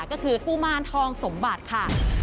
ก็คือกุมารทองสมบัติค่ะ